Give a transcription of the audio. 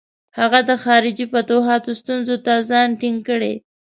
هغه د خارجي فتوحاتو ستونزو ته ځان ټینګ کړي.